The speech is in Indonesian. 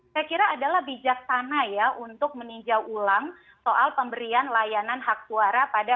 saya kira adalah bijaksana ya untuk meninjau ulang soal pemberian layanan hak suara pada